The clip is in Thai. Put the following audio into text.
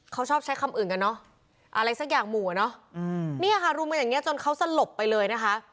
เขาชอบใช้คำอื่นกันเนาะอะไรสักอย่างหมู่กันเนาะนี่ค่ะรุมไปจนเขาสลบไปเลยนะคะ